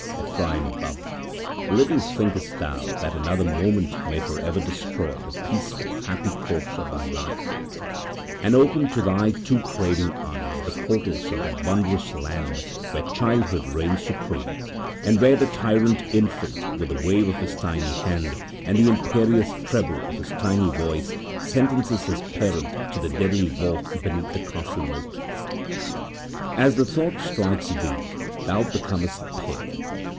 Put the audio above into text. Ephraim Bubb, little thinkest thou that another moment may for ever destroy the peaceful, happy course of thy life, and open to thy too craving eyes the portals of that wondrous land where childhood reigns supreme, and where the tyrant infant with the wave of his tiny hand and the imperious treble of his tiny voice sentences his parent o the deadly vault beneath the castle moat. As the thought strikes thee thou becomest pale.